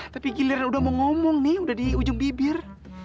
tapi giliran udah mau ngomong nih udah di ujung bibir